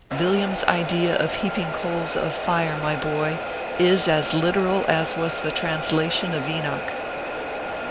Villiam s idea of heaping coals of fire, my boy, is as literal as was the translation of Enoch.